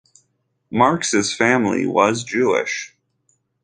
Marx's family was Jewish.